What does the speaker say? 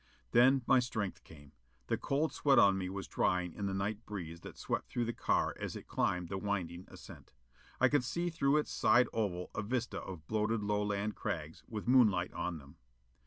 Then my strength came. The cold sweat on me was drying in the night breeze that swept through the car as it climbed the winding ascent. I could see through its side oval a vista of bloated Lowland crags with moonlight on them.